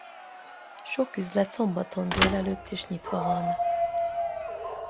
Sok üzlet szombaton délelőtt is nyitva van.